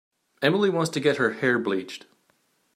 Emily wants to get her hair bleached.